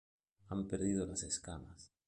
Han perdido las escamas.